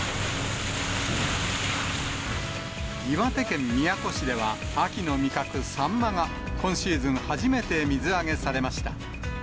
岩手県宮古市では、秋の味覚、サンマが今シーズン初めて水揚げされました。